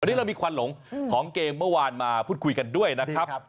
วันนี้เรามีควันหลงของเกมเมื่อวานมาพูดคุยกันด้วยนะครับ